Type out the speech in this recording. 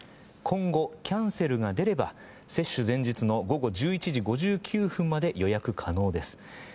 今後、キャンセルが出れば接種前日の午後１１時５９分まで予約可能です。